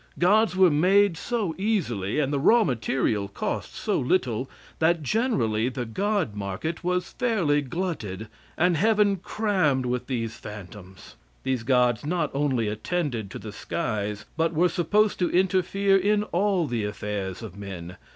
Gods were made so easily, and the raw material cost so little, that generally the god market was fairly glutted, and heaven crammed with these phantoms. These gods not only attended to the skies, but were supposed to interfere in all the affairs of men.